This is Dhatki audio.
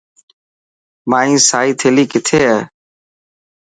مائي سائي ٿيلي ڪٿي هي؟